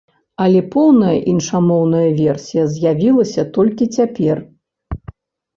Але поўная іншамоўная версія з'явілася толькі цяпер.